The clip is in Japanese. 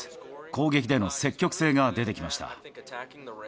攻撃での積極性が出てきました。